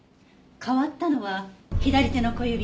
変わったのは左手の小指。